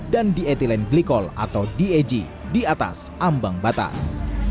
dan diethylene glycol atau dag di atas ambang batas